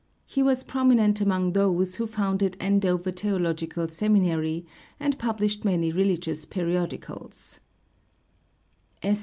He was prominent among those who founded Andover Theological Seminary, and published many religious periodicals. S.